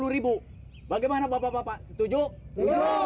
satu ratus dua puluh ribu bagaimana bapak bapak setuju